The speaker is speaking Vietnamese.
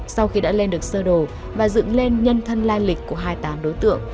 sau khi đã lên được sơ đồ và dựng lên nhân thân lai lịch của hai mươi tám đối tượng